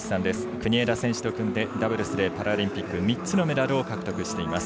国枝選手と組んで、ダブルスでパラリンピック３つのメダルを獲得しています。